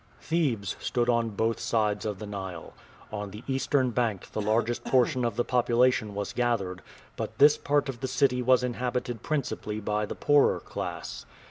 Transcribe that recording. Thebes stood on both sides of the Nile. On the eastern bank the largest portion of the population was gathered, but this part of the city was inhabited principally by the poorer class.